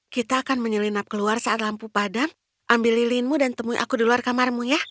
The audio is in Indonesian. kita akan menyelinap keluar saat lampu padam ambil lilinmu dan temui aku di luar kamarmu ya